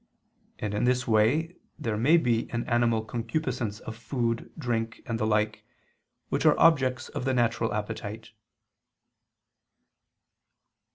And in this way there may be an animal concupiscence of food, drink, and the like, which are objects of the natural appetite.